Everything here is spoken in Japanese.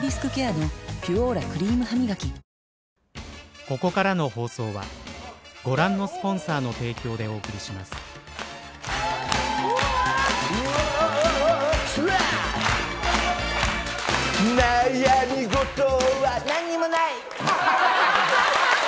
リスクケアの「ピュオーラ」クリームハミガキ悩みごとは何もない！